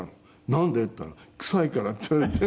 「なんで？」って言ったら「臭いから」って言われて。